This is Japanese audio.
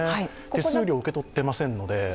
手数料も受け取っていませんし。